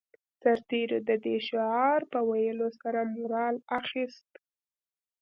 سرتېرو د دې شعار په ويلو سره مورال اخیست